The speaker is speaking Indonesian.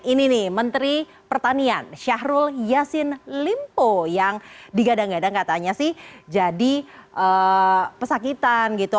ini nih menteri pertanian syahrul yassin limpo yang digadang gadang katanya sih jadi pesakitan gitu